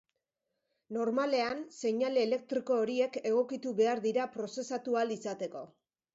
Normalean, seinale elektriko horiek egokitu behar dira prozesatu ahal izateko.